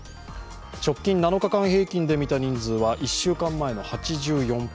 直近７日間平均で見た人数は１週間前の８４％。